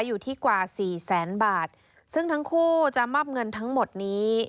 อยู่ที่กว่าสี่แสนบาทซึ่งทั้งคู่จะมอบเงินทั้งหมดนี้